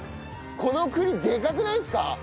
この栗でかくないですか？